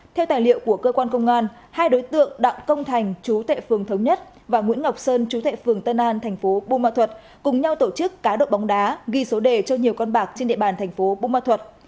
theo tài liệu của cơ quan công an hai đối tượng đặng công thành chú tệ phường thống nhất và nguyễn ngọc sơn chú thệ phường tân an thành phố bùa ma thuật cùng nhau tổ chức cá độ bóng đá ghi số đề cho nhiều con bạc trên địa bàn thành phố bù ma thuật